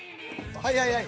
はいはいはい。